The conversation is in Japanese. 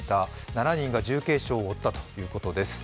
７人が重軽傷を負ったということです。